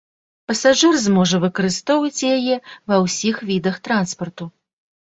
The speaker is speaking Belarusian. Пасажыр зможа выкарыстоўваць яе ва ўсіх відах транспарту.